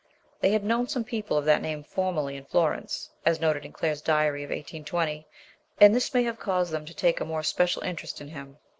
They had known some people of that name formerly in Florence, as noted in Claire's diary of 1820 ; and this may have caused them to take a more special interest in him.